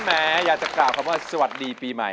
แม้อยากจะกล่าวคำว่าสวัสดีปีใหม่